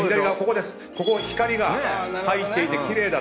ここ光が入っていて奇麗だと。